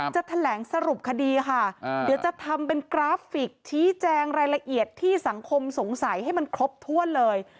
จะแถลงสรุปคดีค่ะเดี๋ยวจะทำเป็นกราฟิกชี้แจงรายละเอียดที่สังคมสงสัยให้มันครบถ้วนเลย